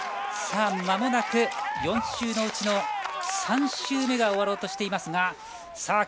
まもなく４周のうちの３周目が終わろうとしています。